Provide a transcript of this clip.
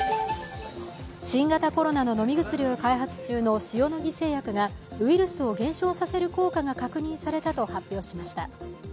新型コロナの飲み薬を開発中の塩野義製薬がウイルスを減少させる効果が確認されたと発表しました。